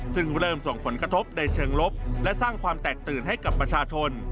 ซึ่งเริ่มส่งผลกระทบในเชิงลบและสร้างความแตกตื่นให้กับประชาชน